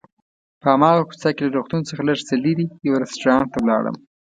په هماغه کوڅه کې له روغتون څخه لږ څه لرې یو رستورانت ته ولاړم.